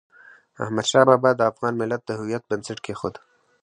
احمد شاه بابا د افغان ملت د هویت بنسټ کېښود.